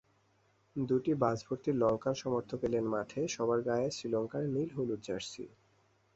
দুটি বাসভর্তি লঙ্কান সমর্থক এলেন মাঠে, সবার গায়েই শ্রীলঙ্কার নীল-হলুদ জার্সি।